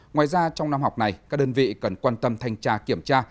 ngoài ra trong năm học này các đơn vị cần quan tâm thanh tra kiểm tra